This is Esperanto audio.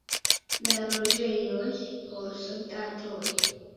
La loĝejoj por soldatoj.